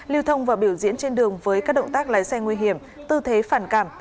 lưu thông và biểu diễn trên đường với các động tác lái xe nguy hiểm tư thế phản cảm